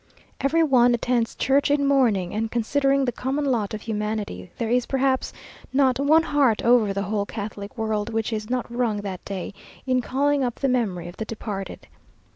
Every one attends church in mourning, and considering the common lot of humanity, there is, perhaps, not one heart over the whole Catholic world, which is not wrung that day, in calling up the memory of the departed.